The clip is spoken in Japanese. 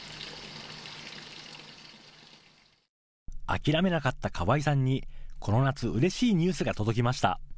諦めなかった川井さんに、この夏、うれしいニュースが届きました。